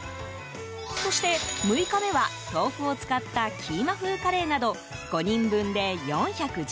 そして、６日目は豆腐を使ったキーマ風カレーなど５人分で４１０円。